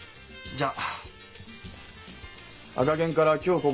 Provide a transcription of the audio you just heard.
じゃあ。